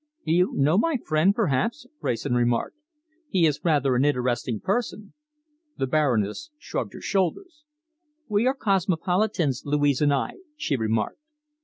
"You know my friend, perhaps?" Wrayson remarked. "He is rather an interesting person." The Baroness shrugged her shoulders. "We are cosmopolitans, Louise and I," she remarked.